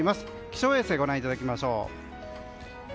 気象衛星をご覧いただきましょう。